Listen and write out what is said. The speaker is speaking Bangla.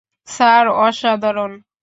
স্যার, অসাধারণ।